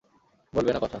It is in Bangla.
বলবে না কথা।